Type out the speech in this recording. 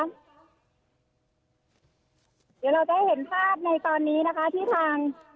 เดี๋ยวเราจะให้เห็นภาพในตอนนี้นะคะที่ทาง